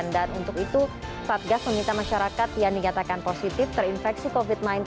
dan untuk itu fatgas meminta masyarakat yang digatakan positif terinfeksi covid sembilan belas